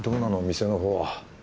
店のほうは。